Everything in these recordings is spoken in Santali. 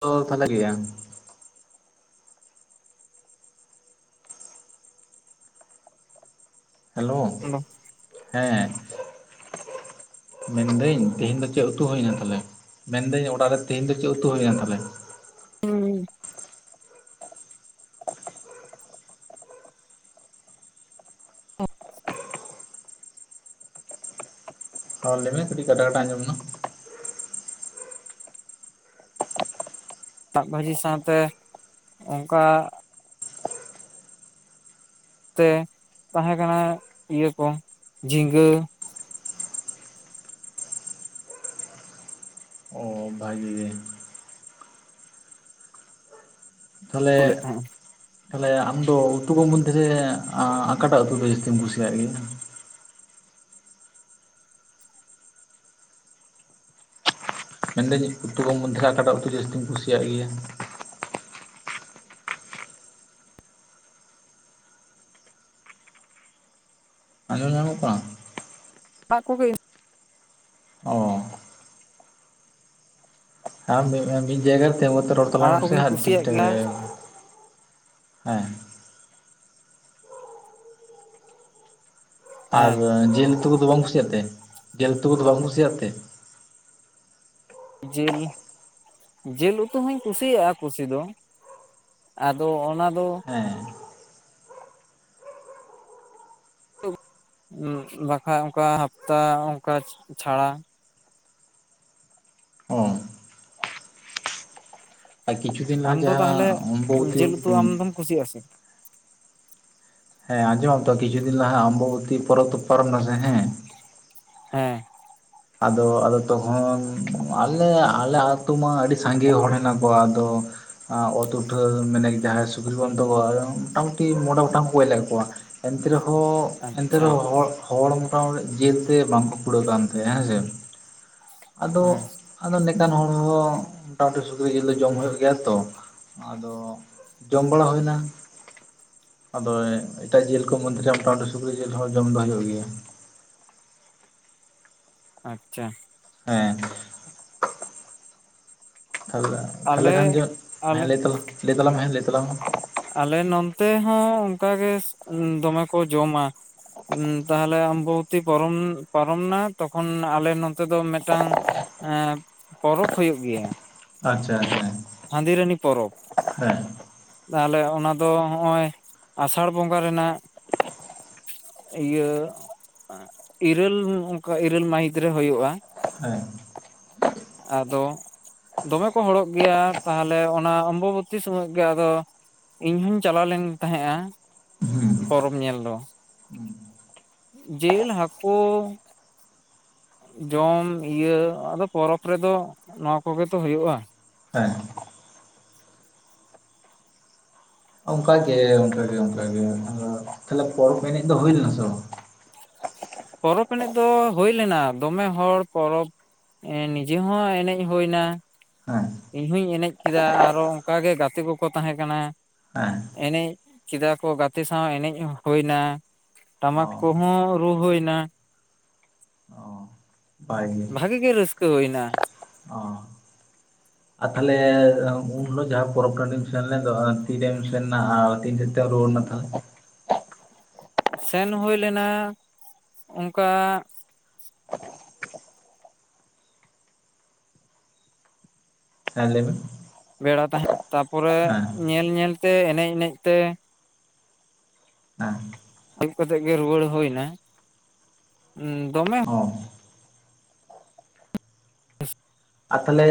ᱛᱚ ᱵᱷᱟᱞᱮ ᱜᱮᱭᱟ᱾ ᱦᱮᱞᱳ ᱫᱚ ᱦᱮᱸ! [inaudible] ᱢᱮᱱᱫᱟᱹᱧ ᱛᱮᱦᱮᱧ ᱫᱚ ᱪᱮᱫ ᱩᱛᱩ ᱦᱩᱭ ᱮᱱᱟ ᱛᱟᱦᱚᱞᱮ? ᱢᱮᱱᱫᱟᱹᱧ ᱚᱲᱟᱜ ᱨᱮ ᱛᱮᱦᱤᱧ ᱫᱚ ᱪᱮᱫ ᱩᱛᱩ ᱦᱩᱭᱱᱟ ᱛᱟᱦᱚᱞᱮ? ᱦᱮᱸ ᱦᱚ ᱞᱟᱹᱭᱫᱟᱧ ᱠᱟᱹᱴᱤᱡ ᱠᱟᱴᱟ - ᱠᱟᱴᱟ ᱟᱸᱡᱚᱢᱠᱟᱱᱟ᱾ ᱫᱟᱜ ᱵᱷᱟᱹᱡᱤ ᱥᱟᱶᱛᱮ, ᱚᱱᱠᱟ ᱛᱮ ᱛᱟᱦᱮᱸ ᱠᱟᱱᱟ ᱤᱭᱟᱹ ᱠᱚ ᱡᱷᱤᱸᱜᱟᱹ ᱵᱷᱟᱹᱜᱤ ᱜᱮ ᱠᱩᱞᱮᱫ ᱛᱟᱦᱮᱸᱱᱟ᱾ ᱛᱟᱦᱞᱮ ᱟᱢᱫᱚ ᱩᱛᱩ ᱠᱚ ᱢᱚᱫᱽᱫᱷᱮᱨᱮ ᱚᱠᱟᱴᱟᱜ ᱩᱛᱩ ᱫᱚ ᱡᱟᱹᱥᱛᱤᱢ ᱠᱩᱥᱤᱭᱟᱜ ᱜᱮᱭᱟ? ᱢᱮᱱᱫᱟᱹᱧ ᱩᱛᱩ ᱠᱚ ᱢᱚᱫᱽᱫᱷᱮᱨᱮ ᱚᱠᱟᱴᱟᱜ ᱩᱛᱩ ᱡᱟᱹᱥᱛᱤᱧ ᱠᱩᱥᱤᱭᱟᱜ ᱜᱮᱭᱟ? ᱟᱡᱚᱢ ᱧᱟᱢᱚᱜ ᱠᱟᱱᱟ? ᱟᱲᱟᱝ ᱠᱚ ᱜᱮ ᱚ ᱢᱤᱫ ᱡᱟᱭᱜᱟ ᱛᱤᱸᱜᱩ ᱛᱮ ᱨᱚᱲ ᱛᱟᱞᱟᱝ ᱟᱲᱟᱜ ᱢᱮᱥᱮ ᱠᱚᱜᱮᱧ ᱴᱷᱤᱠ ᱠᱩᱥᱤᱭᱟᱜ ᱴᱷᱟᱠ ᱜᱮᱭᱟ ᱦᱮᱸ ᱟᱨ ᱦᱮᱸ ᱡᱤᱞ ᱩᱛᱩ ᱠᱚᱫᱚ ᱵᱟᱢ ᱠᱩᱥᱤᱭᱟᱜ ᱛᱮ? ᱡᱤᱞ ᱩᱛᱩ ᱠᱚᱫᱚ ᱵᱟᱢ ᱠᱩᱥᱤᱭᱟᱜ ᱛᱮ? ᱡᱤᱞ, ᱡᱤᱞ ᱩᱛᱩ ᱦᱚᱧ ᱠᱩᱥᱤᱭᱟᱜᱼᱟ, ᱠᱩᱥᱤ ᱫᱚ᱾ ᱟᱫᱚ ᱚᱱᱟ ᱫᱚ ᱦᱮᱸ ᱵᱟᱠᱟᱡ ᱚᱱᱠᱟ ᱦᱟᱯᱛᱟ ᱚᱱᱠᱟ ᱪᱷᱟᱲᱟ ᱚ ᱟᱨ ᱠᱤᱪᱩ ᱫᱤᱱ ᱞᱟᱦ ᱟᱢ ᱫᱚ ᱡᱟᱦᱟᱸ ᱛᱟᱦᱚᱞᱮ ᱚᱢᱵᱚᱵᱚᱛᱤ ᱡᱤᱞ ᱩᱛᱩ ᱟᱢ ᱫᱚᱢ ᱠᱩᱥᱤᱭᱟᱜᱼᱟ ᱥᱮ ᱦᱮᱸ ᱟᱸᱡᱚᱢ ᱟᱢ ᱛᱚ ᱠᱤᱪᱷᱩ ᱫᱤᱱ ᱞᱟᱦᱟ ᱚᱢᱵᱚᱵᱚᱛᱤ ᱯᱚᱨᱚᱵᱽ ᱫᱚ ᱯᱟᱨᱚᱢᱱᱟᱥᱮ ᱦᱮᱸ ᱦᱮᱸ ᱟᱫᱚ ᱟᱫᱚ ᱛᱚᱠᱷᱚᱱ ᱟᱞᱮ, ᱟᱞᱮ ᱟ ᱟᱹᱛᱩ ᱢᱟ ᱟᱹᱰᱤ ᱥᱟᱸᱜᱮ ᱦᱚᱲ ᱦᱮᱱᱟᱜ ᱠᱚᱣᱟ ᱟᱫᱚ᱾ ᱚᱛ ᱩᱴᱷᱟᱹ ᱢᱟᱱᱮ ᱡᱟᱦᱟᱸᱭ ᱥᱩᱠᱨᱤ ᱵᱚᱱᱫᱚ ᱢᱚᱴᱟᱢᱩᱴᱤ ᱢᱚᱬᱮ ᱜᱚᱴᱟᱝ ᱜᱚᱡ ᱞᱮᱫ ᱠᱚᱣᱟ ᱮᱱᱛᱮ ᱨᱮᱦᱚᱸ ᱚ ᱮᱱᱛᱮ ᱟᱪᱪᱷᱟ ᱨᱮᱦᱚᱸ ᱦᱚᱲ ᱢᱚᱴᱟᱢᱩᱴᱤ ᱡᱤᱞᱛᱮ ᱵᱟᱝᱠᱚ ᱠᱩᱲᱟᱹᱜᱣ ᱠᱟᱱ ᱛᱟᱦᱮᱸᱟᱸᱦᱼᱟ ᱦᱮᱸᱥᱮ᱾ ᱟᱫᱚ ᱦᱮᱸ ᱟᱫᱚ ᱢᱤᱫᱴᱟᱱ ᱦᱚᱲᱦᱚ ᱢᱚᱴᱟᱢᱩᱴᱤ ᱥᱩᱠᱨᱤ ᱡᱤᱞ ᱫᱚ ᱡᱚᱢ ᱦᱩᱭᱩᱜ ᱜᱮᱭᱟ, ᱛᱚ ᱟᱫᱚ᱾ ᱡᱚᱢ ᱵᱟᱲᱟ ᱦᱩᱭ ᱮᱱᱟ᱾ ᱟᱫᱚ ᱮᱴᱟᱜ ᱡᱤᱞ ᱠᱚ ᱢᱚᱫᱽᱫᱷᱮᱨᱮ ᱥᱩᱠᱨᱤ ᱡᱤᱞ ᱦᱚᱸ ᱡᱚᱢ ᱫᱚ ᱦᱩᱭᱩᱜ ᱜᱮᱭᱟ᱾ [inaudible] ᱟᱪᱪᱷᱟ ᱦᱮᱸ ᱛᱟᱦᱚᱞᱮ ᱛᱟᱦᱞᱮ ᱟᱞᱮ ᱠᱷᱟᱱ ᱜᱮ ᱦᱮᱸ ᱟᱞᱮ ᱞᱟᱹᱭ ᱛᱟᱞᱟᱝ ᱢᱮ ᱦᱮᱸ ᱞᱟᱹᱭ ᱛᱟᱞᱟᱝ ᱢᱮ ᱟᱞᱮ ᱱᱚᱱᱛᱮ ᱦᱚᱸ ᱚᱱᱠᱟᱜᱮ ᱫᱚᱢᱮ ᱠᱚ ᱡᱚᱢᱟ ᱩᱸ ᱛᱟᱦᱞᱮ ᱟᱢᱵᱚᱵᱚᱛᱤ ᱯᱟᱨᱚᱢ ᱯᱟᱨᱚᱢ ᱮᱱᱟ ᱛᱚᱠᱷᱚᱱ ᱟᱞᱮ ᱱᱚᱛᱮ ᱫᱚ ᱢᱤᱫᱴᱟᱝ ᱮᱸ ᱯᱚᱨᱚᱵᱽ ᱦᱩᱭᱩᱜ ᱜᱮᱭᱟ ᱟᱪᱪᱷᱟ ᱟᱪᱪᱷᱟ ᱠᱷᱟᱺᱫᱤᱨᱟᱱᱤ ᱯᱚᱨᱚᱵᱽ ᱛᱟᱦᱚᱞᱮ ᱚᱱᱟ ᱫᱚ ᱱᱚᱜᱼᱚᱭ ᱟᱥᱟᱲ ᱵᱚᱸᱜᱟ ᱨᱮᱱᱟᱜ ᱤᱭᱟᱹ ᱤᱨᱟᱹᱞ ᱚᱱᱠᱟ ᱤᱨᱟᱹᱞ ᱢᱟᱹᱦᱤᱛ ᱨᱮ ᱦᱩᱭᱩᱜᱼᱟ ᱦᱮᱸ ᱟᱫᱚ ᱫᱚᱢᱮ ᱠᱚ ᱦᱚᱲᱚᱜ ᱜᱮᱭᱟ ᱛᱟᱦᱚᱞᱮ ᱚᱱᱟ ᱚᱢᱵᱚᱵᱛᱤ ᱥᱚᱢᱚᱭ ᱜᱮ ᱟᱫᱚ ᱤᱧ ᱦᱚᱧ ᱪᱟᱞᱟᱣ ᱞᱮᱱ ᱛᱟᱦᱮᱸᱼᱟ ᱦᱩᱸ ᱯᱚᱨᱚᱵᱽ ᱧᱮᱞ ᱫᱚ ᱡᱤᱞ ᱦᱟᱠᱳ ᱡᱚᱢ ᱤᱭᱟᱹ ᱟᱫᱚ ᱯᱚᱨᱚᱵᱽ ᱨᱮᱫᱚ ᱱᱚᱣᱟ ᱠᱚᱜᱮ ᱛᱚ ᱦᱩᱭᱩᱜᱼᱟ ᱦᱮ ᱚᱱᱠᱟᱜᱮ ᱚᱱᱠᱟᱜᱮ ᱚᱱᱠᱟᱜᱮ ᱛᱟᱦᱞᱮ ᱯᱚᱨᱚᱵᱽ ᱮᱱᱮᱡ ᱫᱚ ᱦᱩᱭ ᱞᱮᱱᱟ ᱥᱮ ᱵᱟᱝ ᱯᱚᱨᱚᱵᱽ ᱮᱱᱮᱡ ᱫᱚ ᱦᱩᱭ ᱞᱮᱱᱟ ᱫᱚᱢᱮ ᱦᱚᱲ ᱯᱚᱨᱚᱵᱽ ᱱᱤᱡᱮ ᱦᱚᱸ ᱮᱱᱮᱡ ᱦᱩᱭᱮᱱᱟ ᱵᱟᱝ ᱤᱧᱦᱚᱧ ᱮᱱᱮᱡ ᱠᱮᱫᱟ ᱟᱨᱦᱚ ᱚᱱᱠᱟᱜᱮ ᱜᱟᱛᱮ ᱠᱚᱠᱚ ᱛᱟᱸᱦᱮ ᱠᱟᱱᱟ ᱦᱮᱸ ᱦᱮᱸ ᱮᱱᱮᱡ ᱠᱮᱫᱟ ᱠᱚ ᱜᱟᱛᱮ ᱥᱟᱶ ᱮᱱᱮᱡ ᱦᱩᱭᱮᱱᱟ ᱚ ᱴᱟᱢᱟᱠ ᱠᱚᱦᱚᱸ ᱨᱩ ᱦᱩᱭᱮᱱᱟ ᱚ ᱵᱷᱟᱹᱜᱮ ᱜᱮ ᱨᱟᱹᱥᱠᱟᱹ ᱦᱩᱭᱮᱱᱟ ᱟ ᱛᱟᱦᱚᱞᱮ ᱩᱱ ᱦᱤᱞᱳᱜ ᱡᱟᱦᱟᱸ ᱯᱚᱨᱚᱵᱽ ᱴᱟᱺᱰᱤᱢ ᱥᱮᱱᱞᱱᱟ ᱛᱤᱨᱮᱢ ᱥᱮᱱ ᱮᱱᱟ ᱛᱤᱱ ᱥᱮᱛ ᱛᱮᱢ ᱨᱩᱣᱟᱹᱲ [inaudible] ᱥᱮᱱ ᱦᱩᱭ ᱞᱮᱱᱟ ᱚᱱᱠᱟ ᱦᱮ ᱞᱮᱭ ᱵᱤᱱ ᱯᱮᱲᱟ ᱛᱟᱦᱮᱸᱱ ᱛᱟᱨᱯᱚᱨᱮ ᱧᱮᱞ ᱧᱮᱞᱛᱮ ᱮᱱᱮᱡ ᱮᱱᱮᱡ ᱛᱮ ᱦᱮᱸ ᱟᱹᱭᱩᱵ ᱠᱟᱛᱮᱜ ᱜᱮ ᱨᱩᱣᱟᱹᱲ ᱦᱩᱭᱮᱱᱟ ᱫᱚᱢᱮ ᱚ [inaudible] ᱟᱨ ᱛᱟᱦᱞᱮ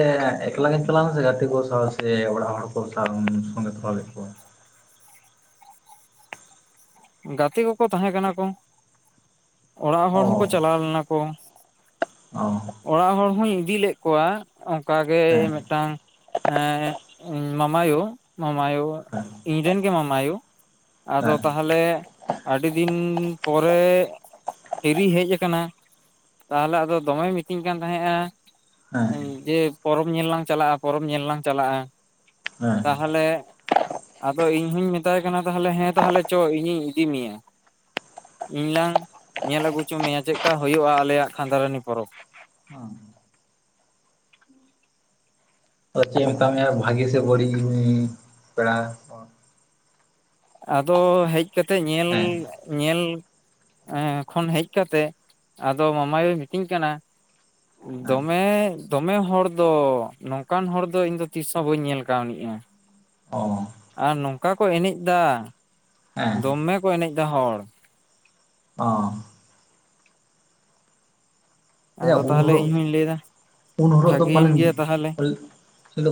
ᱮᱠᱞᱟ ᱜᱮᱧ ᱪᱟᱞᱟᱣ ᱞᱮᱱᱟ ᱥᱮ ᱜᱟᱛᱮ ᱠᱚ ᱥᱟᱶ ᱥᱮ ᱚᱲᱟᱜ ᱦᱚᱲ ᱠᱚ ᱥᱟᱞ ᱥᱚᱸᱜᱮ ᱛᱚᱨᱟ ᱞᱮᱫ ᱠᱚᱣᱟ ᱜᱟᱛᱮ ᱠᱚᱠᱚ ᱛᱟᱦᱮᱸ ᱠᱟᱱᱟ ᱠᱚ ᱚᱲᱟᱜ ᱦᱚᱲ ᱦᱚᱸᱠᱚ ᱚ ᱪᱟᱞᱟᱣ ᱞᱮᱱᱟ ᱠᱚ ᱚ ᱚᱲᱟᱜ ᱦᱚᱲ ᱦᱚᱧ ᱤᱫᱤ ᱞᱮᱫ ᱠᱚᱣᱟ ᱚᱱᱠᱟᱜᱮ ᱦᱮᱸ ᱢᱮᱫᱴᱟᱝ ᱮ ᱢᱟᱢᱟᱭᱳ ᱢᱟᱢᱟᱭᱳ ᱦᱮᱸ ᱤᱧᱨᱮᱱᱜᱮ ᱢᱟᱢᱟᱭᱳ ᱟᱫᱚ ᱦᱮᱸ ᱛᱟᱦᱟ ᱛᱟᱦᱚᱞᱮ ᱟᱹᱰᱤ ᱫᱤᱱ ᱯᱚᱨᱮ ᱦᱤᱨᱤ ᱦᱮᱡ ᱟᱠᱟᱱᱟ ᱛᱟᱦᱚᱞᱮ ᱟᱫᱚ ᱫᱚᱢᱮᱭ ᱢᱤᱛᱟᱹᱧ ᱠᱟᱱ ᱛᱟᱦᱮᱸᱼᱟ ᱡᱮ ᱯᱚᱨᱚᱵᱽ ᱧᱮᱞ ᱞᱟᱝ ᱪᱟᱞᱟᱜᱼᱟ ᱯᱚᱨᱚᱵᱽ ᱧᱮᱞ ᱞᱟᱝ ᱪᱟᱞᱟᱜᱼᱟ ᱦᱮᱸ ᱛᱟᱦᱚᱞᱮ ᱟᱫᱚ ᱤᱧ ᱦᱩᱧ ᱢᱮᱛᱟᱭ ᱠᱟᱱᱟ ᱛᱟᱦᱚᱞᱮ ᱦᱮᱸ ᱛᱟᱦᱚᱞᱮ ᱪᱚ ᱤᱧᱤᱧ ᱤᱫᱤ ᱢᱮᱭᱟ ᱤᱧ ᱞᱟᱝ ᱧᱮᱞ ᱟᱹᱜᱩ ᱦᱚᱪᱚ ᱢᱮᱭᱟ ᱪᱮᱫᱠᱟ ᱦᱩᱭᱩᱜᱼᱟ ᱟᱞᱮᱭᱟᱜ ᱠᱷᱟᱸᱫᱷᱟᱨᱟᱱᱤ ᱯᱚᱨᱚᱵᱽ ᱚᱸ ᱟᱫᱚ ᱢᱮᱛᱟᱜ ᱢᱮᱭᱟ ᱵᱷᱟᱜᱤ ᱥᱮ ᱵᱟᱹᱲᱤᱡ ᱯᱮᱲᱟ ᱦᱚᱲ ᱟᱫᱚ ᱦᱮᱡ ᱠᱟᱛᱮᱫ ᱧᱮᱞ ᱦᱮᱸ ᱧᱮᱞ ᱮᱸ ᱠᱷᱚᱱ ᱦᱮᱡ ᱠᱟᱛᱮᱫ ᱟᱫᱚ ᱢᱟᱢᱟᱭᱩ ᱢᱤᱛᱟᱹᱧ ᱠᱟᱱᱟ ᱦᱮᱸ ᱫᱚᱢᱮ ᱫᱚᱢᱮ ᱦᱚᱲ ᱫᱚ ᱱᱚᱝᱠᱟᱱ ᱦᱚᱲ ᱫᱚ ᱤᱧᱫᱚ ᱛᱤᱥᱦᱚᱸ ᱵᱟᱹᱧ ᱧᱮᱞ ᱠᱟᱹᱣᱱᱤᱤᱡᱼᱟ ᱟᱸᱜ ᱚ ᱟᱨ ᱱᱚᱝᱠᱟ ᱠᱚ ᱮᱱᱮᱡ ᱮᱫᱟ ᱦᱮᱸ ᱫᱚᱢᱮ ᱠᱚ ᱮᱱᱮᱡ ᱮᱫᱟ ᱦᱚᱲ ᱚ ᱟᱪᱪᱷᱟ ᱟᱫᱚ ᱩᱱ ᱛᱟᱦᱚᱞᱮ ᱦᱤᱞᱳᱜ ᱤᱧᱦᱚᱧ ᱞᱟᱹᱭᱮᱫᱟ ᱩᱱ ᱦᱤᱞᱚᱜ ᱫᱚ ᱯᱟᱞᱮᱱ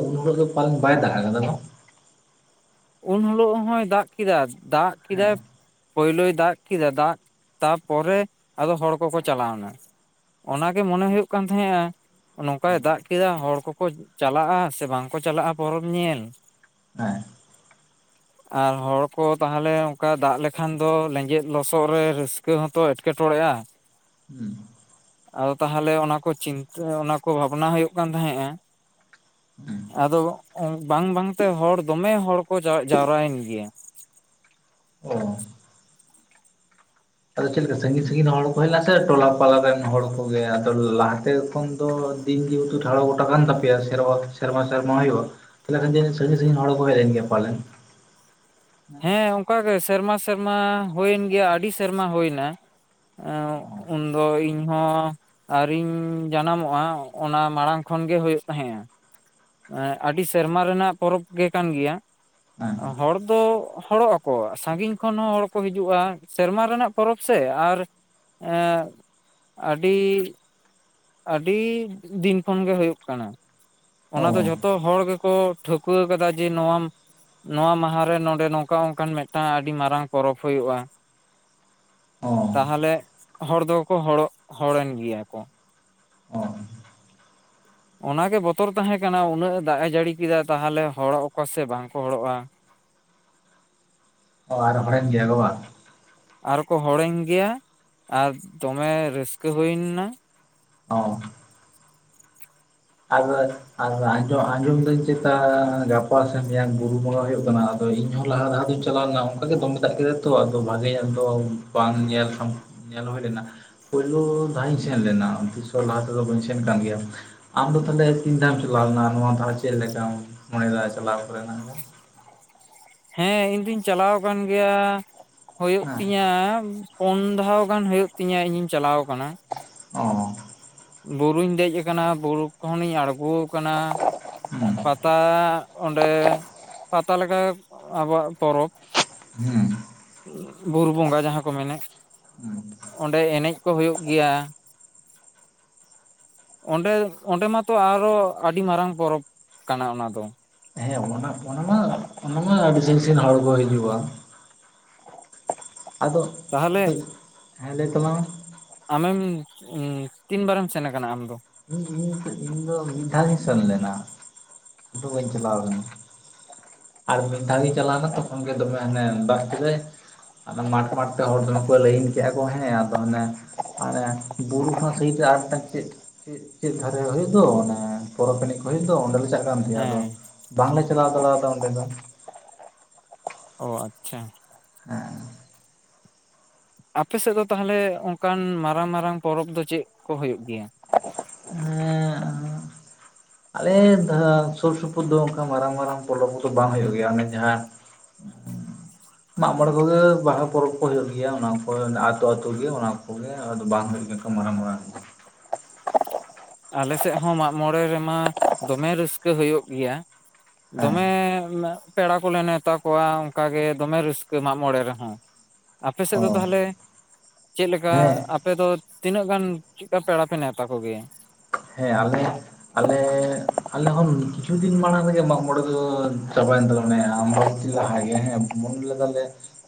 ᱩᱱ ᱦᱚᱨᱚᱜ ᱫᱚ ᱯᱟᱞᱮᱱ ᱵᱟᱭ ᱫᱟᱬᱟ ᱟᱠᱟᱫᱟ ᱩᱱ ᱦᱤᱞᱳᱜ ᱦᱚᱸᱭ ᱫᱟᱜ ᱠᱮᱫᱟ ᱫᱟᱜ ᱠᱮᱫᱟᱭ ᱦᱮᱸ ᱯᱳᱭᱞᱳᱭ ᱫᱟᱜ ᱠᱮᱫᱟ ᱫᱟᱜ ᱛᱟᱨᱯᱚᱨᱮ ᱟᱫᱚ ᱦᱚᱲ ᱠᱚᱠᱚ ᱪᱟᱞᱟᱣᱱᱟ, ᱚᱱᱟᱜᱮ ᱢᱚᱱᱮ ᱦᱩᱭᱩᱜ ᱠᱟᱱ ᱛᱟᱦᱮᱸᱫᱼᱟ ᱱᱚᱝᱠᱟᱭ ᱫᱟᱜ ᱠᱮᱫᱟ ᱦᱚᱲ ᱠᱚᱠᱚ ᱪᱟᱞᱟᱜᱼᱟ ᱥᱮ ᱵᱟᱝᱠᱚ ᱪᱟᱞᱟᱜᱼᱟ ᱯᱚᱨᱚᱵᱽ ᱧᱮᱞ ᱦᱮᱸ ᱟᱨ ᱦᱚᱲᱠᱚ ᱛᱟᱦᱚᱞᱮ ᱚᱱᱠᱟ ᱫᱟᱜ ᱞᱮᱠᱷᱟᱱ ᱫᱚ ᱞᱮᱸᱡᱮᱛ ᱞᱚᱥᱚᱫ ᱨᱮ ᱨᱟᱹᱥᱠᱟᱹ ᱦᱚᱸᱛᱚ ᱮᱴᱠᱮᱴᱚᱬᱮ ᱨᱮᱭᱟᱜ ᱦᱩᱸ ᱟᱫᱚ ᱛᱟᱦᱚᱞᱮ ᱚᱱᱟ ᱠᱚ ᱪᱤᱱᱛᱟᱹ ᱚᱱᱟ ᱠᱚ ᱵᱷᱟᱵᱽᱱᱟ ᱦᱩᱭᱩᱜ ᱠᱟᱱ ᱛᱟᱦᱮᱸᱫᱼᱟ ᱦᱩᱸ ᱦᱩᱸ ᱟᱫᱚ ᱵᱟᱝ ᱵᱟᱝᱛᱮ ᱦᱚᱲ ᱫᱚᱢᱮ ᱦᱚᱲ ᱡᱟᱣᱨᱟᱭᱮᱱ ᱜᱮᱭᱟ ᱚ ᱟᱫᱚ ᱪᱮᱫ ᱞᱮᱠᱟ ᱥᱟᱺᱜᱤᱧ ᱥᱟᱺᱜᱤᱧ ᱦᱚᱲ ᱠᱚ ᱦᱮᱡ ᱞᱮᱱᱟ ᱥᱮ ᱴᱚᱞᱟ ᱯᱟᱲᱟᱨ ᱨᱮᱱ ᱦᱚᱲ ᱠᱚᱜᱮ ᱟᱫᱚ ᱞᱟᱦᱟᱛᱮ ᱠᱷᱚᱱ ᱫᱚ ᱫᱤᱱ ᱡᱮᱛᱮ ᱜᱚᱴᱟ ᱠᱟᱱ ᱛᱟᱮᱭᱟ ᱥᱮᱨ ᱥᱮᱨᱢᱟ ᱥᱮᱨᱢᱟ ᱦᱩᱭᱩᱜᱼᱟ ᱛᱟᱣᱦᱮᱞᱮ ᱠᱷᱟᱱ ᱥᱟᱺᱜᱤᱧ ᱦᱚᱲ ᱠᱚ ᱦᱮᱡ ᱞᱮᱱ ᱜᱮᱭᱟ ᱯᱟᱞᱮᱱ ᱦᱮᱸ ᱚᱱᱠᱟᱜᱮ ᱥᱮᱨᱢᱟ ᱥᱮᱨᱢᱟ ᱦᱩᱭᱮᱱ ᱜᱮᱭᱟ ᱟᱹᱰᱤ ᱥᱮᱨᱢᱟ ᱦᱩᱭᱮᱱᱟ ᱚ ᱩᱱᱫᱚ ᱤᱧ ᱦᱚᱸ ᱟ. ᱣᱨᱤᱧ ᱡᱟᱱᱟᱢᱚᱜᱼᱟ ᱚᱱᱟ ᱢᱟᱲᱟᱝ ᱠᱷᱚᱱ ᱠᱷᱚᱱ ᱜᱮ ᱦᱩᱭᱩᱜ ᱛᱟᱦᱮᱸᱫᱼᱟ ᱟᱹᱰᱤ ᱥᱮᱨᱢᱟ ᱨᱮᱱᱟᱜ ᱯᱚᱨᱚᱵᱽ ᱜᱮ ᱠᱟᱱ ᱜᱮᱭᱟ ᱦᱮᱸ ᱦᱚᱲ ᱫᱚ ᱦᱚᱲᱚᱜ ᱟᱠᱚ ᱥᱟᱺᱜᱤᱧ ᱠᱷᱚᱱ ᱦᱚᱸ ᱦᱚᱲ ᱠᱚ ᱦᱤᱡᱩᱜᱼᱟ ᱥᱮᱨᱢᱟ ᱨᱮᱱᱟᱜ ᱯᱚᱨᱚᱵᱽ ᱥᱮ ᱟᱨ ᱟᱹᱰᱤ ᱟᱹᱰᱤ ᱫᱤᱱ ᱠᱷᱚᱱᱜᱮ ᱦᱩᱭᱩᱜ ᱠᱟᱱᱟ ᱚ ᱚᱱᱟ ᱫᱚ ᱦᱮᱸ ᱡᱷᱚᱛᱚ ᱦᱚᱲ ᱜᱮᱠᱚ ᱴᱷᱟᱹᱣᱠᱟᱹ ᱟᱠᱟᱫᱟ ᱡᱮ ᱱᱚᱣᱟᱢ ᱱᱚᱣᱟ ᱢᱟᱦᱟ ᱨᱮ ᱱᱚᱰᱮ ᱱᱚᱝᱠᱟ ᱚᱱᱠᱟᱱ ᱢᱤᱫᱴᱟᱱ ᱟᱹᱰᱤ ᱢᱟᱨᱟᱝ ᱯᱚᱨᱚᱵᱽ ᱦᱩᱭᱩᱜᱼᱟ, ᱚ ᱛᱟᱦᱚᱞᱮ ᱦᱚᱲ ᱫᱚᱠᱚ ᱦᱚᱲᱚ ᱦᱚᱲᱮᱱ ᱜᱮᱭᱟ ᱠᱚ ᱚ ᱚᱱᱟᱜᱮ ᱵᱚᱛᱚᱨ ᱛᱟᱦᱮᱸ ᱠᱟᱱᱟ ᱩᱱᱟᱹᱜ ᱫᱟᱜ ᱮ ᱡᱟᱹᱲᱤ ᱠᱮᱫᱟ ᱛᱟᱦᱚᱞᱮ ᱦᱚᱲᱚᱜ ᱟᱠᱚ ᱥᱮ ᱵᱟᱝᱠᱚ ᱦᱚᱲᱚᱜᱼᱟ, ᱚ ᱟᱨ ᱦᱚᱲᱮᱢ ᱜᱮᱭᱟ ᱵᱟᱝ ᱟᱨᱠᱚ ᱦᱚᱲᱮᱧ ᱜᱮᱭᱟ ᱟᱨ ᱫᱚᱢᱮ ᱨᱟᱹᱥᱠᱟᱹ ᱦᱩᱭᱮᱱᱟ ᱚ ᱟᱫᱚ ᱟᱸᱡᱚᱢ ᱟᱸᱡᱚᱢ ᱫᱟᱹᱧ ᱪᱮᱛᱟ ᱜᱟᱯᱟ ᱥᱮ ᱢᱮᱭᱟᱝ ᱵᱩᱨᱩ ᱵᱚᱸᱜᱟ ᱦᱩᱭᱩᱜ ᱠᱟᱱᱟ ᱟᱫᱚ ᱤᱧᱦᱚᱸ ᱞᱟᱦᱟ ᱞᱟᱦᱟ ᱫᱚᱧ ᱪᱟᱞᱟᱣ ᱞᱮᱱᱟ ᱚᱱᱠᱟᱜᱮ ᱫᱚᱢᱮ ᱫᱟᱜ ᱠᱮᱫᱟ ᱛᱚ ᱟᱫᱚ ᱵᱷᱟᱜᱮᱭᱟ ᱵᱟᱝ ᱜᱮᱭᱟ ᱠᱷᱟᱱ ᱧᱮᱞ ᱦᱩᱭ ᱞᱮᱱᱟ ᱯᱳᱭᱞᱳ ᱫᱷᱟᱣ ᱤᱧ ᱥᱮᱱ ᱞᱮᱱᱟ ᱛᱤᱥᱥᱚ ᱞᱟᱦᱟ ᱛᱮᱫᱚ ᱵᱟᱹᱧ ᱥᱮᱱ ᱠᱟᱱ ᱜᱮᱭᱟ ᱟᱢᱫᱚ ᱛᱟᱦᱮ ᱛᱤᱱᱥᱮᱢ ᱪᱟᱞᱟᱣ ᱞᱮᱱᱟ ᱱᱚᱣᱟ ᱪᱮᱫ ᱞᱮᱠᱟ ᱢᱚᱱᱮᱮᱫᱟ ᱪᱟᱞᱟᱣ ᱠᱚᱨᱮᱱᱟᱜ, ᱦᱮᱸ ᱤᱧ ᱫᱩᱧ ᱪᱟᱞᱟᱣ ᱟᱠᱟᱱ ᱜᱮᱭᱟ ᱦᱩᱭᱩᱜ ᱦᱮᱸ ᱛᱤᱧᱟᱹ ᱯᱩᱱ ᱫᱷᱟᱣ ᱜᱟᱱ ᱦᱩᱭᱩᱜ ᱛᱤᱧᱟᱹ ᱤᱧᱤᱧ ᱪᱟᱞᱟᱣ ᱟᱠᱟᱱᱟ, ᱳ ᱵᱩᱨᱩᱧ ᱫᱮᱡ ᱟᱠᱟᱱᱟ ᱵᱩᱨᱩ ᱠᱷᱚᱱᱤᱧ ᱟᱬᱜᱚ ᱟᱠᱟᱱᱟ ᱦᱩᱸ ᱯᱟᱛᱟ ᱚᱸᱰᱮ ᱯᱟᱛᱟ ᱞᱮᱠᱟ ᱟᱵᱚᱣᱟᱜ ᱯᱚᱨᱚᱵᱽ ᱦᱩᱸ ᱵᱩᱨᱩ ᱵᱚᱸᱜᱟ ᱡᱟᱦᱟᱸ ᱠᱚ ᱢᱮᱱᱮᱫ ᱦᱩᱸ ᱚᱸᱰᱮ ᱮᱱᱮᱡ ᱠᱚ ᱦᱩᱭᱩᱜ ᱜᱮᱭᱟ ᱚᱸᱰᱮ ᱚᱸᱰᱮ ᱢᱟᱛᱚ ᱟᱨᱚ ᱟᱹᱰᱤ ᱢᱟᱨᱟᱝ ᱯᱚᱨᱚᱵᱽ ᱠᱟᱱᱟ ᱚᱱᱟ ᱫᱚ, ᱟ. ᱰᱤ ᱥᱟᱜᱤᱱ ᱥᱟᱜᱤᱱ ᱦᱚᱲ ᱠᱚ ᱦᱤᱡᱩᱜᱼᱟ ᱟᱫᱚ ᱛᱟᱦᱚᱞᱮ ᱟᱫᱚ ᱦᱮᱸ ᱞᱟᱹᱭ ᱛᱟᱞᱟᱝ ᱟᱢᱮᱢ ᱛᱤᱱ ᱵᱟᱨᱮᱢ ᱥᱮᱱ ᱟᱠᱟᱱᱟ ᱟᱢᱫᱚ ᱤᱧ ᱫᱚ ᱢᱤᱫ ᱫᱷᱟᱣ ᱤᱧ ᱥᱮᱱ ᱞᱮᱱᱟ [unintelligible] ᱵᱟᱹᱧ ᱪᱟᱞᱟᱣ ᱞᱮᱱᱟ ᱟᱨ ᱢᱤᱫ ᱫᱷᱟᱣᱤᱧ ᱪᱟᱞᱟᱣᱱᱟ ᱛᱚᱠᱷᱚᱱ ᱜᱮ ᱫᱚᱢᱮ ᱦᱟᱱᱮ ᱫᱟᱜ ᱠᱮᱫᱟᱭ ᱟᱫᱚ ᱢᱟᱴ ᱢᱟᱴ ᱛᱮ ᱦᱚᱲ ᱫᱚᱢᱮ ᱠᱚ ᱞᱟᱹᱭᱤᱱ ᱠᱮᱫᱼᱟ ᱠᱚ ᱦᱮᱸ ᱟᱫᱚ ᱚᱱᱮ ᱢᱮ ᱵᱩᱨᱩ ᱦᱚᱸ ᱟᱨᱢᱤᱫ ᱴᱟᱝ ᱪᱮᱫ ᱪᱮᱫ ᱦᱩᱭᱩᱜ ᱫᱚ ᱯᱚᱨᱚᱵᱽ ᱮᱱᱮᱡ ᱠᱚ ᱦᱩᱭᱩᱜᱼᱫᱚ ᱚᱸᱰᱮ ᱪᱟ ᱟᱱ ᱟᱫᱚ ᱦᱮᱸ ᱵᱟᱝᱞᱮ ᱪᱟᱞᱟᱣ ᱫᱟᱲᱮᱫᱟ ᱚᱸᱰᱮ ᱫᱚ ᱚ ᱟᱪᱪᱷᱟ [unintelligible] ᱟᱯᱮ ᱥᱮᱫ ᱫᱚ ᱛᱟᱦᱚᱞᱮ ᱚᱱᱠᱟᱱ ᱢᱟᱨᱟᱝ ᱢᱟᱨᱟᱝ ᱯᱚᱨᱚᱵᱽ ᱫᱚ ᱪᱮᱫ ᱠᱚ ᱦᱩᱭᱩᱜ ᱜᱮᱭᱟ ᱦᱮᱸ ᱟᱞᱮ ᱥᱩᱨ ᱥᱩᱯᱩᱨ ᱫᱚ ᱚᱱᱠᱟ ᱢᱟᱨᱟᱝ ᱢᱟᱨᱟᱝ ᱯᱚᱨᱚᱵ ᱠᱚ ᱵᱟᱝ ᱦᱩᱭᱩᱜ ᱜᱮᱭᱟ ᱚᱱᱮ ᱡᱟᱦᱟᱸ [inaudible] ᱢᱟᱜ ᱢᱚᱬᱮ ᱠᱚᱜᱮ ᱵᱟᱦᱟ ᱯᱚᱨᱚᱵᱽ ᱠᱚ ᱦᱩᱭᱩᱜ ᱜᱮᱭᱟ ᱚᱱᱟ ᱠᱚ ᱟᱹᱛᱩ ᱟᱹᱛᱩ ᱜᱮ ᱚᱱᱟ ᱠᱚᱜᱮ ᱟᱫᱚ ᱵᱟᱝ ᱦᱩᱭᱩᱜ [unintelligible] ᱟᱞᱮ ᱥᱮᱫ ᱦᱚᱸ ᱢᱟᱜ ᱢᱚᱬᱮ ᱨᱮᱢᱟ ᱫᱚᱢᱮ ᱨᱟᱹᱥᱠᱟᱹ ᱦᱩᱭᱩᱜ ᱜᱮᱭᱟ ᱦᱮᱸ ᱫᱚᱢᱮ ᱯᱮᱲᱟ ᱠᱚᱞᱮ ᱱᱮᱣᱛᱟ ᱠᱚᱣᱟ ᱚᱱᱠᱟᱜᱮ ᱫᱚᱢᱮ ᱨᱟᱹᱥᱠᱟᱹ ᱢᱟᱜ ᱢᱚᱬᱮ ᱨᱮᱦᱚᱸ ᱟᱯᱮ ᱥᱮᱫ ᱚ ᱫᱚ ᱛᱟᱦᱚᱞᱮ ᱪᱮᱫ ᱞᱮᱠᱟ ᱦᱮᱸ ᱟᱯᱮ ᱫᱚ ᱛᱤᱱᱟᱹᱜ ᱜᱟᱱ ᱪᱮᱫ ᱞᱮᱠᱟ ᱯᱮᱲᱟ ᱯᱮ ᱱᱮᱶᱛᱟ ᱠᱚᱜᱮᱭᱟ ᱦᱮᱸ ᱟᱞᱮ ᱟᱞᱮ ᱟᱞᱮ ᱦᱚᱱ ᱠᱤᱪᱷᱩ ᱫᱤᱱ ᱢᱟᱲᱟᱝ ᱨᱮᱜᱮ ᱢᱟᱜ ᱢᱚᱬᱮ ᱫᱚ ᱪᱟᱵᱟᱭᱮᱱ ᱛᱟᱞᱮᱭᱟ ᱢᱟᱱᱮ ᱟᱢᱵᱟᱵᱚᱛᱤ ᱞᱟᱦᱟ ᱜᱮ ᱦᱮᱸ ᱩᱱ ᱞᱮᱫᱟᱞᱮ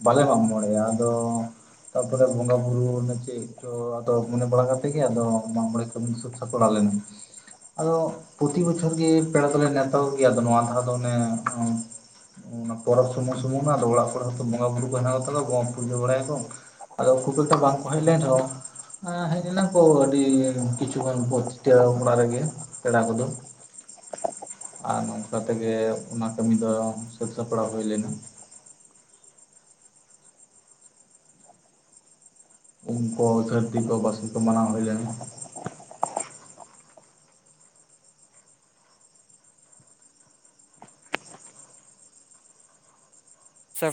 ᱵᱟᱞᱮ ᱢᱟᱜ ᱢᱟᱬᱮᱜ-ᱟ ᱟᱫᱚ ᱛᱟᱯᱚᱨᱮ ᱵᱚᱸᱜᱟ ᱵᱩᱨᱩ ᱪᱮᱫ ᱪᱚ ᱟᱫᱚ ᱢᱚᱱᱮ ᱵᱟᱲᱟ ᱠᱟᱛᱮᱫ ᱜᱮ ᱟᱫᱚ ᱢᱟᱜ ᱢᱚᱬᱮ ᱠᱟᱹᱢᱤ ᱥᱟᱹᱛ ᱥᱟᱯᱲᱟᱣ ᱞᱮᱱᱟ ᱟᱫᱚ ᱯᱨᱚᱛᱤ ᱵᱚᱪᱷᱚᱨ ᱜᱮ ᱯᱮᱲᱟ ᱫᱚᱞᱮ ᱱᱮᱶᱛᱟ ᱠᱚᱜᱮᱭᱟ ᱟᱫᱚ ᱱᱚᱣᱟ ᱫᱷᱟᱣ ᱫᱚ ᱚᱱᱮ ᱯᱚᱨᱚᱵᱽ ᱥᱩᱢᱩᱝ ᱥᱩᱢᱩᱝ ᱟᱫᱚ ᱚᱲᱟᱜ ᱠᱚᱨᱮ ᱦᱚᱸᱚ ᱵᱚᱸᱜᱟ ᱵᱩᱨᱩ ᱠᱚ ᱦᱮᱱᱟᱜ ᱠᱚᱛᱟ ᱠᱚᱣᱟ ᱯᱩᱡᱟᱹ ᱵᱟᱲᱟᱭᱟᱠᱚ ᱟᱫᱚ ᱠᱷᱩᱵ ᱮᱠᱴᱟ ᱵᱟᱝ ᱠᱚ ᱦᱮᱡ ᱞᱮᱱ ᱨᱮᱦᱚᱸ ᱦᱮᱡ ᱞᱮ ᱮᱱᱟ ᱠᱚ ᱟᱹᱰᱤ ᱠᱤᱪᱷᱩ ᱪᱷᱤᱴᱟᱹ ᱚᱲᱟᱜ ᱨᱮᱜᱮ ᱯᱮᱲᱟ ᱠᱚᱫᱚ ᱟᱨ ᱱᱚᱝᱠᱟ ᱛᱮᱜᱮ ᱚᱱᱟ ᱠᱟᱹᱢᱤ ᱫᱚ ᱥᱟᱹᱛ ᱥᱟᱯᱲᱟᱣ ᱦᱩᱭ ᱞᱮᱱᱟ [inaudible] ᱩᱱᱠᱩ ᱥᱟᱹᱨᱫᱤ ᱠᱚ ᱵᱟᱥᱠᱮ ᱠᱚ ᱢᱟᱱᱟᱣ ᱦᱩᱭ ᱞᱮᱱᱟ ᱥᱮ